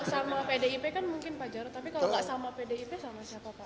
sama pdip kan mungkin pak jarod tapi kalau nggak sama pdip sama siapa pak